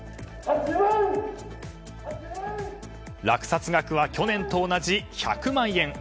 落札額は去年と同じ１００万円。